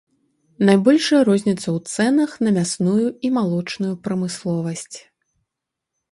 Найбольшая розніца ў цэнах на мясную і малочную прамысловасць.